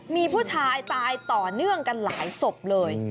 มีผู้ชายตายต่อเนื่องกันหลายศพเลย